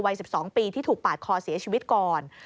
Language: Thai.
วัย๑๒ปีที่ถูกปาดคอเสียชีวิตก่อน